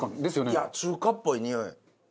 いや中華っぽいにおい。